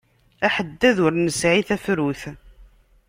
Aḥeddad ur nesɛi tafrut!